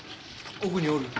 奥におるよ。